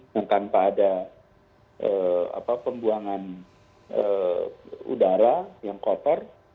yang tanpa ada pembuangan udara yang kotor